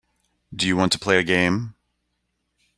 Do you want to play a game.